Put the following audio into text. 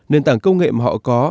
nền tảng công nghệ mà họ có